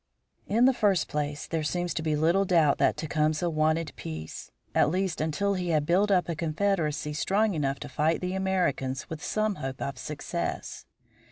In the first place, there seems to be little doubt that Tecumseh wanted peace, at least until he had built up a confederacy strong enough to fight the Americans with some hope of success.